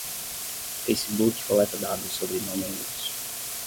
Facebook coleta dados sobre não membros.